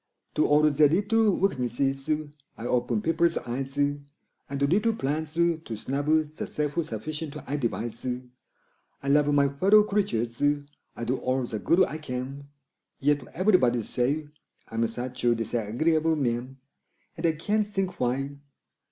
To all their little weaknesses I open people's eyes And little plans to snub the self sufficient I devise; I love my fellow creatures I do all the good I can Yet everybody say I'm such a disagreeable man! And I can't think why!